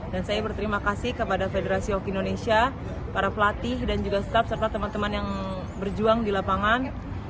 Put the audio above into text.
dan saya berterima kasih kepada federasi hoki indonesia para pelatih dan juga staff serta teman teman yang berjuang di lapangan